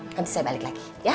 nanti saya balik lagi ya